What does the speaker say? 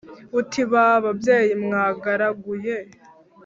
Uti ba babyeyi mwagaraguye